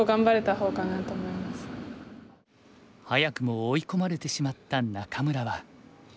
早くも追い込まれてしまった仲邑は。